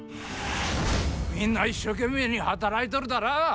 みんな一生懸命に働いとるだら？